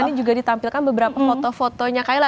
ini juga ditampilkan beberapa foto fotonya kayla